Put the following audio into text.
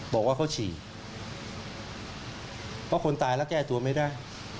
บอกว่าเขาฉี่เพราะคนตายแล้วแก้ตัวไม่ได้